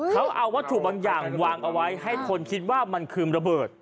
เขาเอาวัตถุบางอย่างวางเอาไว้ให้คนคิดว่ามันคือระเบิด